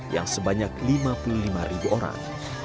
yang sebanyak lima puluh lima ribu orang